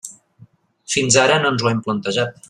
Fins ara no ens ho hem plantejat.